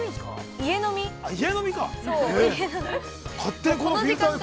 ◆家飲みか。